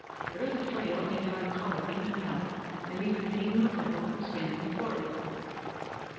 There is a flail hangin' on the collar beam in hell, and neither Dane nor devil can stand before it."